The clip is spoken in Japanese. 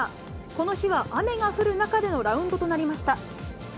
この日は雨が降る中でのラウンドとなりました。